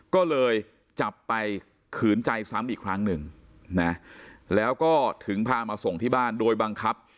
ก็เลยจับไปขืนใจซ้ำอีกครั้งหนึ่งนะแล้วก็ถึงพามาส่งที่บ้านโดยบังคับ